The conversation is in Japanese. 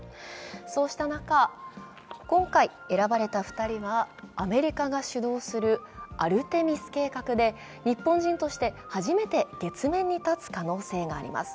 そうした中、今回、選ばれた２人はアメリカが主導するアルテミス計画で日本人として初めて月面に立つ可能性があります。